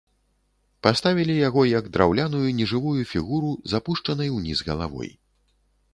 Паставілі яго, як драўляную нежывую фігуру з апушчанай уніз галавой.